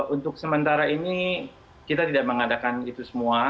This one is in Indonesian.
untuk sementara ini kita tidak mengadakan itu semua